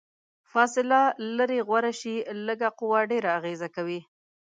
فاصله لرې غوره شي، لږه قوه ډیره اغیزه کوي.